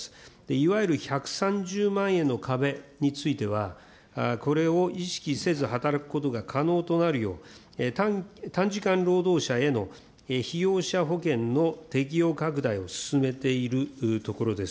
いわゆる１３０万円の壁については、これを意識せず働くことが可能となるよう、短時間労働者への被用者保険の適用拡大を進めているところです。